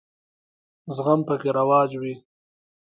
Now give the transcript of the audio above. زغم پکې رواج وي.